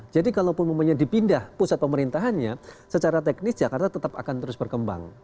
jadi kalau dipindah pusat pemerintahannya secara teknis jakarta tetap akan terus berkembang